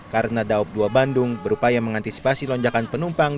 karena daup dua bandung berupaya mengantisipasi lonjakan penumpang